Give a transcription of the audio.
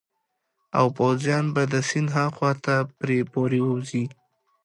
او پوځیان به د سیند هاخوا ته پرې پورې ووزي.